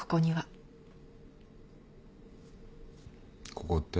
ここって？